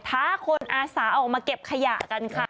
ท้าคนอาสาออกมาเก็บขยะกันค่ะ